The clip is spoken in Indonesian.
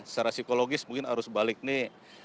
secara psikologis mungkin arus balik ini